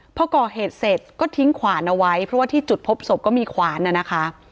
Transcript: พอก่อเหตุเสร็จก็ทิ้งขวานเอาไว้เพราะว่าที่จุดพบศพก็มีขวานน่ะนะคะ